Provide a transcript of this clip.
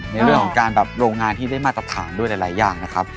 ในเรื่องของการแบบโรงงานที่ได้มาตรฐานด้วยหลายอย่างนะครับ